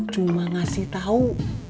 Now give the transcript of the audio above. cuma ngasih tau